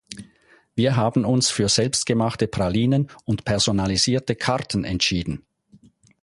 Wir haben uns für selbstgemachte Pralinen und personalisierte Karten entschieden.